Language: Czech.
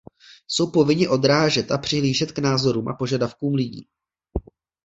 Jsou povinni odrážet a přihlížet k názorům a požadavkům lidí.